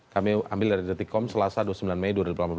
kami ambil dari detikkom selasa dua puluh sembilan mei dua ribu delapan belas